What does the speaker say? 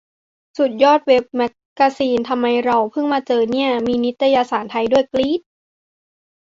สุดยอดเว็บแม็กกาซีน ทำไมเราเพิ่งมาเจอเนี่ย ! มีนิตยสารไทยด้วย กรี๊ด !